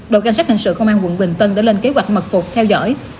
đội canh sát hình sự công an quận bình tân đã lên kế hoạch mật phục theo dõi